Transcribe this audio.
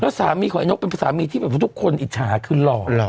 สามีของไอ้นกเป็นสามีที่แบบว่าทุกคนอิจฉาคือหล่อ